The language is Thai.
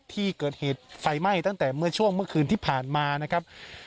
ที่เกิดเหตุไฟไหม้ตั้งแต่เมื่อช่วงเมื่อคืนที่ผ่านมานะครับ